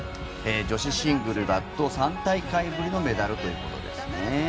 女子シングルだと３大会ぶりのメダルということですね。